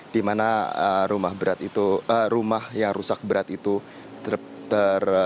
di mana rumah yang rusak berat itu ter